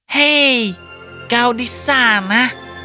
hei kau di sana